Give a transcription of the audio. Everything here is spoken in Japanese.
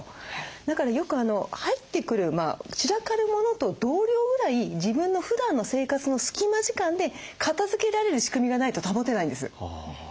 だからよく入ってくる散らかるモノと同量ぐらい自分のふだんの生活の隙間時間で片づけられる仕組みがないと保てないんです。